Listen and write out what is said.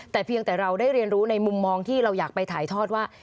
แต่เพียงแต่เราได้เรียนรู้ในมุมมองที่เราอยากไปถ่ายทอดว่า